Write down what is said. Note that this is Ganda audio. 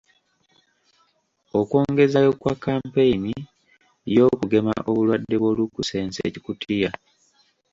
Okwongezaayo kwa kampeyini y'okugema obulwadde bw'olukusense-Kikutiya.